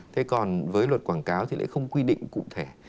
thế còn với luật quảng cáo thì lại không quy định cụ thể